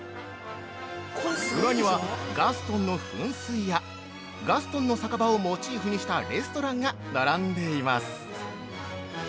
村には、ガストンの噴水やガストンの酒場をモチーフにしたレストランが並んでいます。